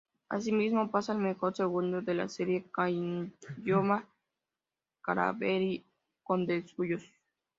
Así mismo pasa el mejor segundo de la serie Caylloma-Caravelí-Condesuyos.